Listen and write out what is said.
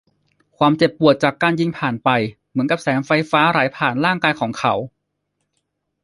ความเจ็บปวดจากการยิงผ่านไปเหมือนกับแสงไฟฟ้าไหลผ่านร่างกายของเขา